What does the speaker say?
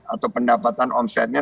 atau pendapatan omsetnya